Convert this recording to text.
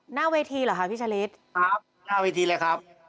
หน้าเวทีเหรอคะพี่ชะลิดครับหน้าเวทีเลยครับ